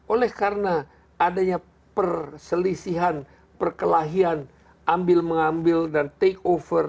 oleh karena adanya perselisihan perkelahian ambil mengambil dan take over